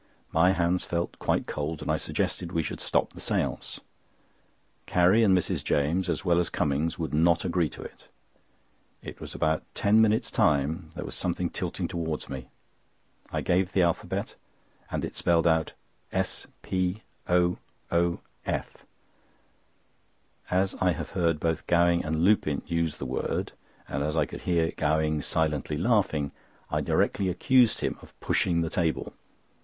My hands felt quite cold, and I suggested we should stop the séance. Carrie and Mrs. James, as well as Cummings, would not agree to it. In about ten minutes' time there was some tilting towards me. I gave the alphabet, and it spelled out S P O O F. As I have heard both Gowing and Lupin use the word, and as I could hear Gowing silently laughing, I directly accused him of pushing the table.